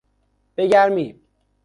به گرمی